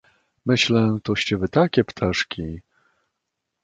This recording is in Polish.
"myślę, toście wy takie ptaszki?..."